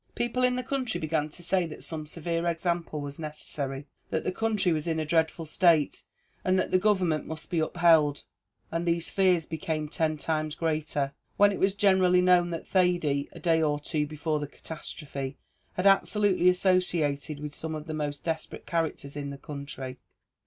People in the country began to say that some severe example was necessary that the country was in a dreadful state and that the government must be upheld; and these fears became ten times greater, when it was generally known that Thady, a day or two before the catastrophe, had absolutely associated with some of the most desperate characters in the country.